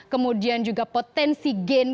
kemudian juga potensi gain